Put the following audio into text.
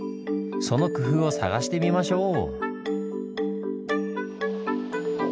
その工夫を探してみましょう！